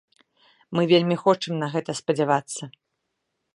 Мы вельмі хочам на гэта спадзявацца.